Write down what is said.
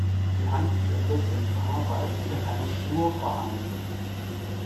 Die Handgriffe sind paarweise mit einer Schnur vereint.